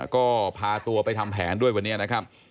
ก็พาตัวไปทำแผนด้วยวันนี้นะครับ